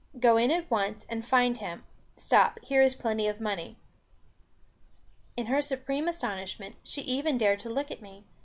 Go in at once and find him. Stop, here is plenty of money." In her supreme astonishment, she even dared to look at me.